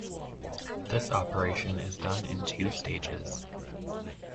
This operation is done in two stages.